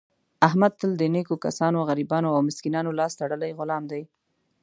احمد تل د نېکو کسانو، غریبانو او مسکینانو لاس تړلی غلام دی.